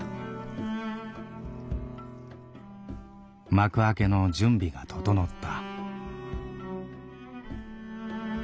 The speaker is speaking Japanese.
幕開けの準備が整った。